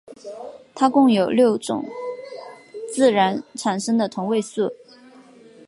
它共有六种自然产生的同位素。